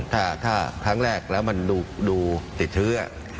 ถ้าครั้งแรกแล้วมันดูติดเชื้อ